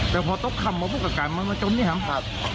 แต่พอต้องคำว่าพวกกับการมันมาจนเนี้ยครับครับ